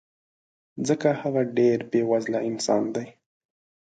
ځکه هغه ډېر بې وزله انسان دی